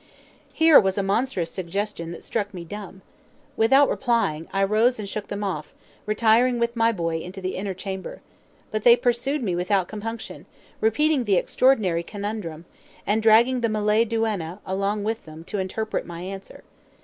] Here was a monstrous suggestion that struck me dumb. Without replying, I rose and shook them off, retiring with my boy into the inner chamber. But they pursued me without compunction, repeating the extraordinary "conundrum," and dragging the Malay duenna along with them to interpret my answer.